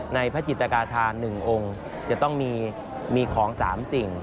พระจิตกาธาน๑องค์จะต้องมีของ๓สิ่ง